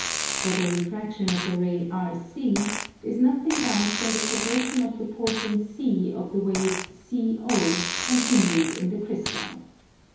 For the refraction of the ray RC is nothing else than the progression of the portion C of the wave CO, continued in the crystal.